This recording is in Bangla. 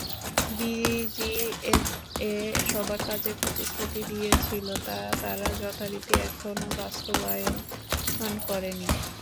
বিজিএমইএ সবার কাজের প্রতিশ্রুতি দিয়েছিল, তা তারা যথারীতি এখনো বাস্তবায়ন করেনি।